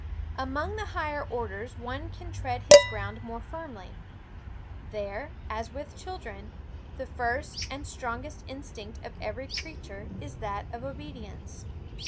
Among the higher orders one can tread his ground more firmly. There, as with chil dren, the first and strongest instinct of every creature is that of obedience.